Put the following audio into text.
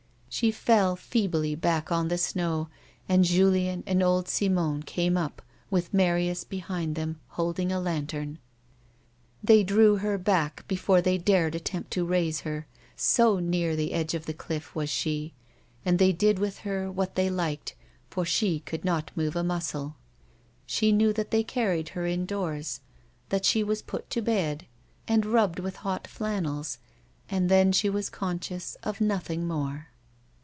She fell feebly back on the snow, and Julien and old Simon came up, with Marius behind them holding a lantern. They drew her back before they dared attempt to raise her, so near the edge of the cliff was she ; and tliey did with lier what tiiey liked, for she could not move a muscle. She knew that they carried her indoors, that she was put to bed, and rubbed with hot flannels, and then she was conscious of nothing more.